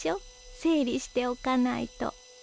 整理しておかないと。